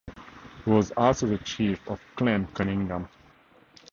He was also the chief of Clan Cunningham.